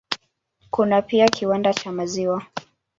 Kuna pia kiwanda cha maziwa.